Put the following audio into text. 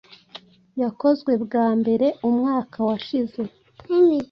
yakozwe bwa mbere umwaka washize